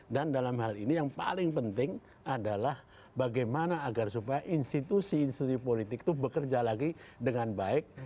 dan dalam hal ini yang paling penting adalah bagaimana agar supaya institusi institusi politik itu bekerja lagi dengan baik